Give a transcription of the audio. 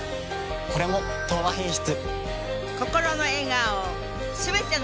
これも「東和品質」。